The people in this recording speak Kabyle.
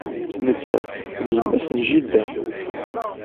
Nettat d yemma-s n jida.